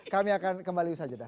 kami akan kembali bersajar dah